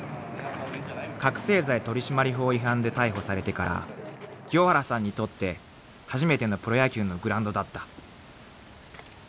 ［覚せい剤取締法違反で逮捕されてから清原さんにとって初めてのプロ野球のグラウンドだった］